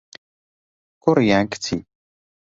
کوڕی یان کچی؟